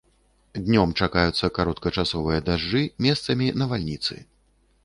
Днём чакаюцца кароткачасовыя дажджы, месцамі навальніцы.